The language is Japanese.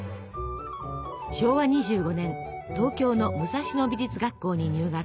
昭和２５年東京の武蔵野美術学校に入学。